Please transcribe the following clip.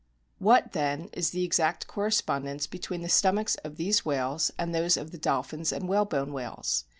What, then, is the exact correspondence between the stomachs of these whales and those of the dolphins and whale bone whales